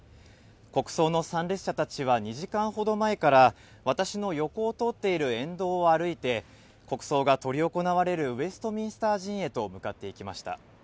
国葬の参列者たちは２時間ほど前から、私の横を通っている沿道を歩いて、国葬が執り行われるウェストミンスター寺院へと向かっていきました。